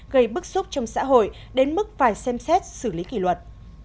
gây bức xúc trong xã hội đến mức phải xem xét xử lý kỷ luật